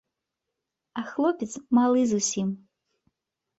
А хлопец малы зусім.